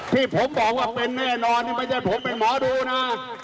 ที่ผมบอกว่าเป็นแน่นอนนี่ไม่ใช่ผมเป็นหมอดูนะ